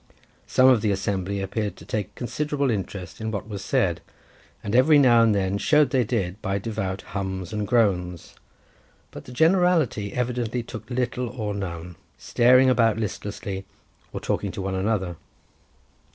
Some of the assembly appeared to take considerable interest in what was said, and every now and then showed they did by devout hums and groans; but the generality evidently took little or none, staring about listlessly, or talking to one another.